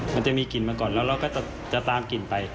มันจะมีกลิ่นมาก่อนแล้วเราก็จะตามกลิ่นไป